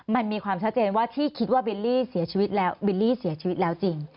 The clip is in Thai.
มันมีความชัดเจนว่าที่คิดว่าบิลลี่เสียชีวิตแล้วจริง